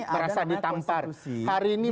merasa ditampar hari ini